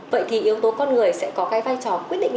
vậy thì yếu tố con người sẽ có cái vai trò quyết định